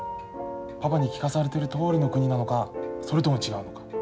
パパに聞かされてるとおりの国なのかそれとも違うのか。